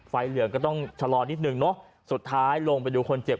เหลืองก็ต้องชะลอนิดนึงเนอะสุดท้ายลงไปดูคนเจ็บ